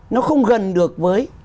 nó không gần được với